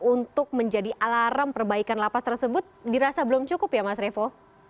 untuk menjadi alarm perbaikan lapas tersebut dirasa belum cukup ya mas revo